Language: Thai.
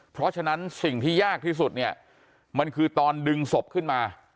เพราะฉะนั้นสิ่งที่ยากที่สุดเนี่ยมันคือตอนดึงศพขึ้นมา